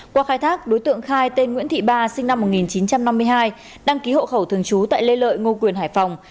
qua khai thác đối tượng khai tên nguyễn thị ba sinh năm một nghìn chín trăm năm mươi hai đăng ký hộ khẩu thường trú tại lê lợi ngô quyền hải phòng